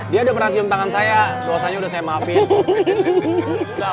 dia udah pernah cium tangan saya dosanya udah saya maafin